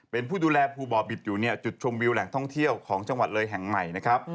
เป็นผู้ดูแลภูบ่อบิตอยู่เนี่ยจุดชมวิวแหล่งท่องเที่ยวของจังหวัดเลยแห่งใหม่นะครับ